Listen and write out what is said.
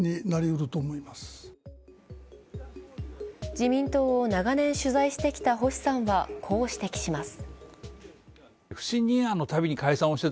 自民党を長年取材してきた星さんはこう指摘します。